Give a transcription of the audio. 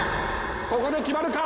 ここで決まるか。